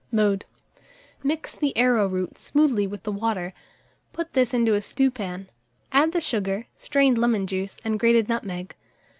Mode. Mix the arrowroot smoothly with the water; put this into a stewpan; add the sugar, strained lemon juice, and grated nutmeg.